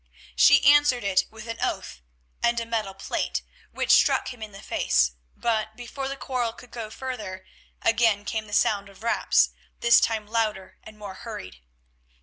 She answered it with an oath and a metal plate, which struck him in the face, but before the quarrel could go farther, again came the sound of raps, this time louder and more hurried.